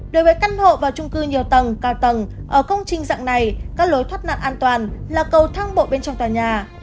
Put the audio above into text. đối với căn hộ và trung cư nhiều tầng cao tầng ở công trình dạng này các lối thoát nạn an toàn là cầu thang bộ bên trong tòa nhà